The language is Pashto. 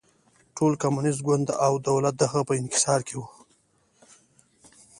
ټول کمونېست ګوند او دولت د هغه په انحصار کې و.